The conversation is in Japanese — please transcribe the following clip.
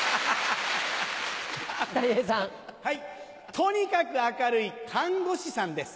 とにかく明るい看護師さんです。